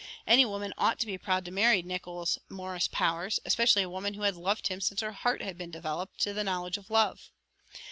Any woman ought to be proud to marry Nickols Morris Powers, especially a woman who had loved him since her heart had been developed to the knowledge of love.